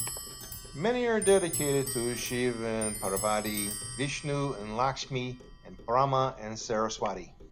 Many are dedicated to Shiva and Parvati, Vishnu and Lakshmi and Brahma and Saraswati.